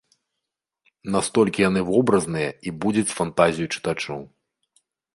Настолькі яны вобразныя і будзяць фантазію чытачоў.